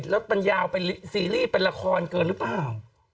แล้วมันยาวเป็นซีรีส์เป็นละครเกินหรือเปล่า